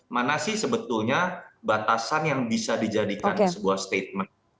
mana sih sebetulnya batasan yang bisa dijadikan sebuah statement